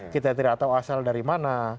kita tidak tahu asal dari mana